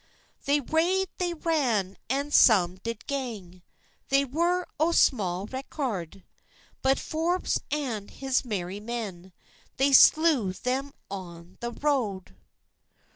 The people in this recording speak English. They rade, they ran, an some did gang, They were o sma record; But Forbës and his merry men, They slew them a' the road.